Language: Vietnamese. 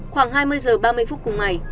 khoảng hai mươi h ba mươi phút cùng ngày